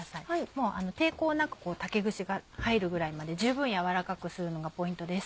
もう抵抗なく竹串が入るぐらいまで十分軟らかくするのがポイントです。